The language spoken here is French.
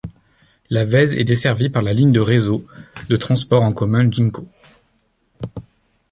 La Vèze est desservi par la ligne du réseau de transport en commun Ginko.